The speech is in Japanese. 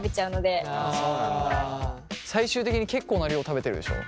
最終的に結構な量食べてるでしょ？